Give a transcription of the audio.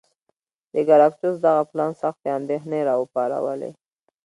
د ګراکچوس دغه پلان سختې اندېښنې را وپارولې.